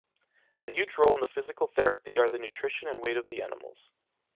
A huge role in the physical therapy are the nutrition and weight of the animals.